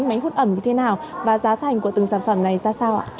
máy hút ẩm như thế nào và giá thành của từng sản phẩm này ra sao ạ